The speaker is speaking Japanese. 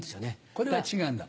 これは違うんだ